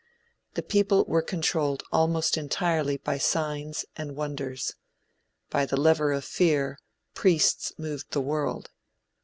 The people were controlled almost entirely by signs and wonders. By the lever of fear, priests moved the world.